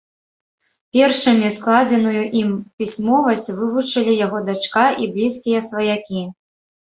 Першымі складзеную ім пісьмовасць вывучылі яго дачка і блізкія сваякі.